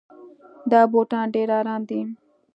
دا بوټان ډېر ارام دي.